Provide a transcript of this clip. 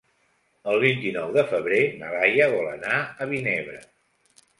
El vint-i-nou de febrer na Laia vol anar a Vinebre.